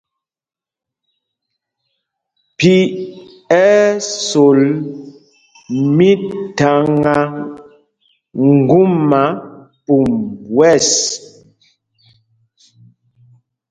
Phī ɛ́ ɛ́ sol mítháŋá ŋgúma pum wɛ̂ɛs.